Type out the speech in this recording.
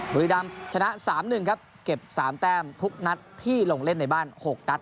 บุรีดำชนะ๓๑ครับเก็บ๓แต้มทุกนัดที่ลงเล่นในบ้าน๖นัด